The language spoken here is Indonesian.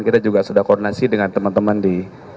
kita juga sudah koordinasi dengan teman teman di